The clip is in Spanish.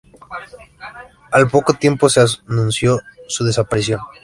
Al poco tiempo, se anunció su desaparición.